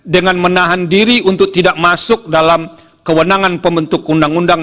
dengan menahan diri untuk tidak masuk dalam kewenangan pembentuk undang undang